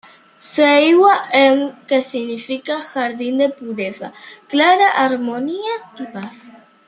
Seiwa-en que significa "Jardín de pureza, clara armonía y paz.